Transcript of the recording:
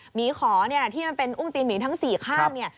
หมีขอที่มันเป็นอุ้งตีนหมีทั้ง๔ข้าง